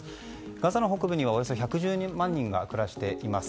ガザの北部にはおよそ１１０万人が暮らしています。